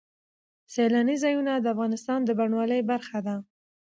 سیلانی ځایونه د افغانستان د بڼوالۍ برخه ده.